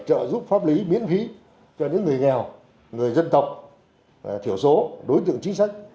trợ giúp pháp lý miễn phí cho những người nghèo người dân tộc thiểu số đối tượng chính sách